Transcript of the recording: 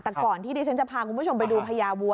แต่ก่อนที่ดิฉันจะพาคุณผู้ชมไปดูพญาวัว